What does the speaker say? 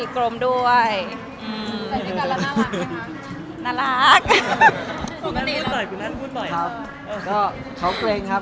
ครับเขาเกร็งครับ